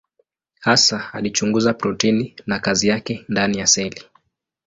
Hasa alichunguza protini na kazi yake ndani ya seli.